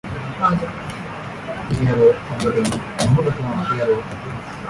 It has also been described by Billboard as "the epitome of psychedelic rock".